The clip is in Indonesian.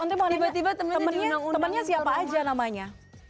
om ti mau tiba tiba temennya siapa aja namanya